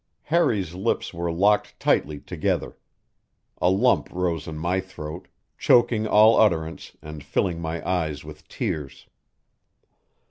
Harry's lips were locked tightly together; a lump rose in my throat, choking all utterance and filling my eyes with tears.